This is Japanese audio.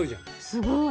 すごい！